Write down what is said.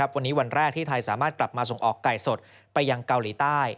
วันนี้วันแรกที่ไทยสามารถกลับมาส่งออกไก่สดไปยังเกาหลีใต้